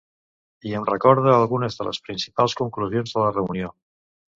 I em recorda algunes de les principals conclusions de la reunió.